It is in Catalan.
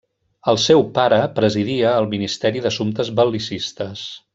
El seu pare presidia el Ministeri d'Assumptes Bel·licistes.